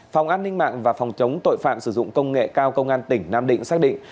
phòng an ninh mạng và phòng chống tội phạm sử dụng công nghệ cao công an tỉnh nam định xác định